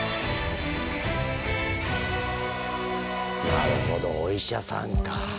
なるほどお医者さんか。